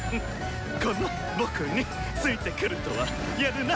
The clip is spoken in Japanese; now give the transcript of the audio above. この僕についてくるとはやるな！